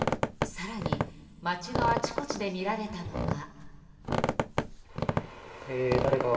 更に街のあちこちで見られたのが。